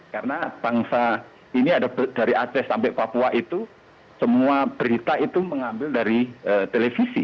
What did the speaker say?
karena bangsa ini ada dari aceh sampai papua itu semua berita itu mengambil dari televisi